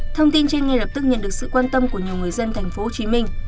thông tin trên ngay lập tức nhận được sự quan tâm của nhiều người dân tp hcm